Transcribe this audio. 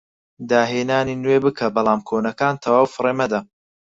داهێنانی نوێ بکە بەڵام کۆنەکان تەواو فڕێ مەدە